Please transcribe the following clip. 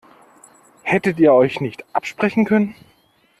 Hättet ihr euch nicht absprechen können?